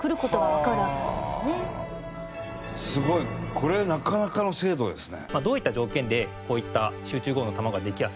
これなかなかの精度ですね。